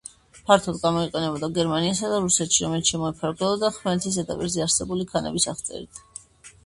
ფართოდ გამოიყენებოდა გერმანიასა და რუსეთში, რომელიც შემოიფარგლებოდა ხმელეთის ზედაპირზე არსებული ქანების აღწერით.